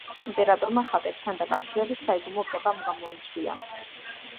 იმპერატორმა ხატებთან დაკავშირებით საიდუმლო კრება მოიწვია.